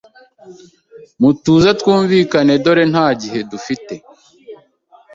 Mutuze twumvikane dor ntagihedufite